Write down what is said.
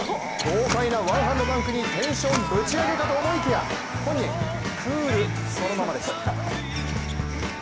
豪快なワンハンドダンクにテンションぶち上げかと思いきや本人、クールそのままでした。